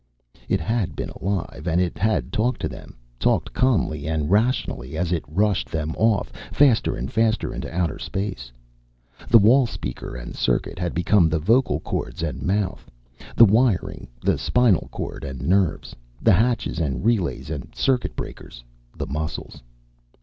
It had been alive, and it had talked to them, talked calmly and rationally, as it rushed them off, faster and faster into outer space. The wall speaker and circuit had become the vocal cords and mouth, the wiring the spinal cord and nerves, the hatches and relays and circuit breakers the muscles.